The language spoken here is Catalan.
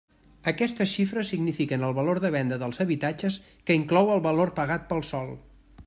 Aquestes xifres signifiquen el valor de venda dels habitatges que inclou el valor pagat pel sòl.